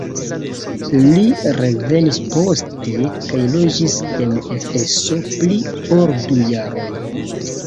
Li revenis poste kaj loĝis en Efeso pli ol du jarojn.